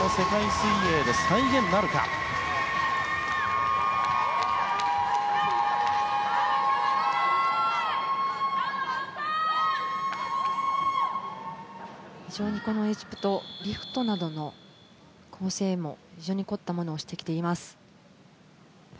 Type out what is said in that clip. その演技を非常にこのエジプトリフトなどの構成も、非常に凝ったものをしてきています。